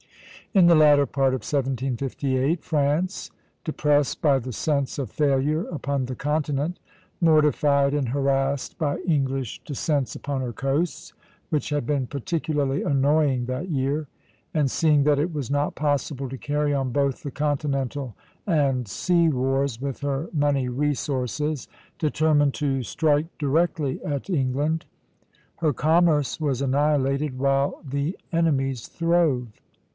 In the latter part of 1758, France, depressed by the sense of failure upon the continent, mortified and harassed by English descents upon her coasts, which had been particularly annoying that year, and seeing that it was not possible to carry on both the continental and sea wars with her money resources, determined to strike directly at England. Her commerce was annihilated while the enemy's throve.